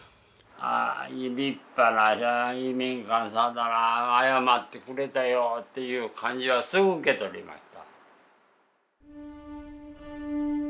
ああ立派な移民官さんだな謝ってくれたよという感じはすぐ受け取りました。